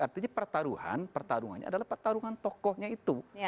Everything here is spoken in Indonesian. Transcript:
artinya pertaruhan pertarungannya adalah pertarungan tokohnya itu